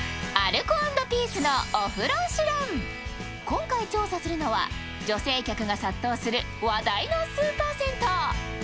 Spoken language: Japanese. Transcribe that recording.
今回調査するのは、女性客が殺到する話題のスーパー銭湯。